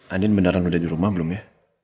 andin beneran udah di rumah belum ya